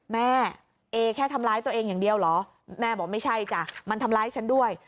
แม่เอแค่ทำร้ายตัวเองอย่างเดียวเหรอแม่บอกไม่ใช่จ้ะมันทำร้ายฉันด้วย